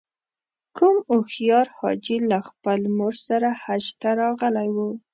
کوم هوښیار حاجي له خپلې مور سره حج ته راغلی و.